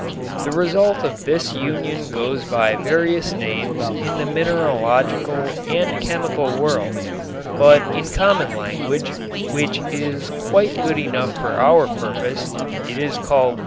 The result of this union goes by various names in the mineralogical and chemical worlds, but in common language, which is quite good enough for our purpose, it is called iron rust.